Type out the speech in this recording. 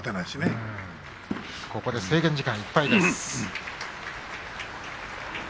ここで制限時間いっぱいです。